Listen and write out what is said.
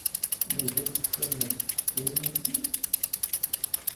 Mazal tettamneḍ s teḥkayin am ti?